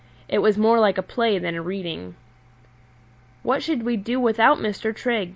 It was more like a play than a reading. "What should we do without Mr. Trigg?"